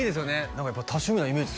何かやっぱ多趣味なイメージ